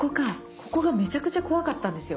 ここがめちゃくちゃ怖かったんですよ。